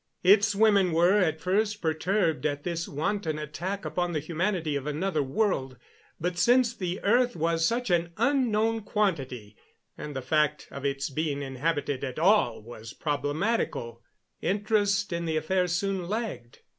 Its women were, at first, perturbed at this wanton attack upon the humanity of another world, but since the earth was such an unknown quantity, and the fact of its being inhabited at all was problematical, interest in the affair soon lagged.